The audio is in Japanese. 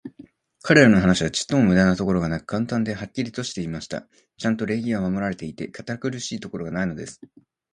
彼等の話は、ちょっとも無駄なところがなく、簡単で、はっきりしていました。ちゃんと礼儀は守られていて、堅苦しいところがないのです。